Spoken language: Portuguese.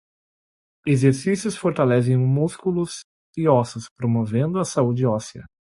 Exercícios fortalecem músculos e ossos, promovendo a saúde óssea.